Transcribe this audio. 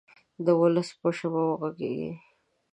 د ولس په ژبه غږیږي.